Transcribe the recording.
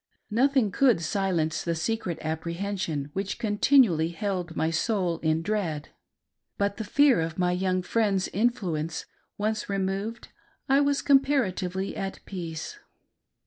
Nothing could silence the secret apprehension which contin ually held my soul in dread ; but the fear of my young friend's influence once removed, I was comparatively at peace.